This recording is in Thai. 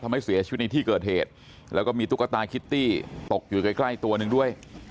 ทำให้เสียชีวิตในที่เกิดเหตุแล้วก็มีตุ๊กตาคิตตี้ตกอยู่ใกล้ใกล้ตัวหนึ่งด้วย